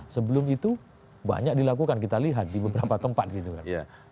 sebelum itu banyak dilakukan kita lihat di beberapa tempat gitu kan